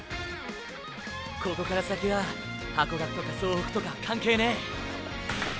ここから先はハコガクとか総北とかは関係ねェ。